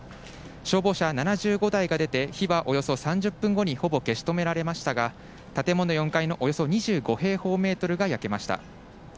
消防車７５台が出て、火はおよそ３０分後にほぼ消し止められましたが、建物４階のおよそ２５平方メートルが焼けました。